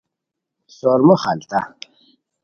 سورمو خلتہ